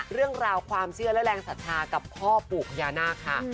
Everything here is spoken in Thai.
เรื่องราวความเชื่อและแรงศรัทธากับพ่อปู่พญานาคค่ะ